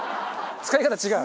使い方違う！